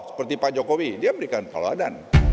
seperti pak jokowi dia berikan kalau ada